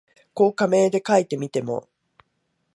こう仮名で書いてみても、